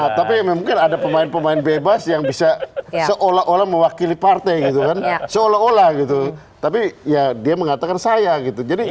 nah tapi mungkin ada pemain pemain bebas yang bisa seolah olah mewakili partai gitu kan seolah olah gitu tapi ya dia mengatakan saya gitu jadi